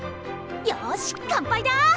よし乾杯だ！